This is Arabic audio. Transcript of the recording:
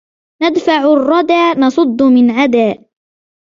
ندفعُ الرّدَى نصدُّ من عدا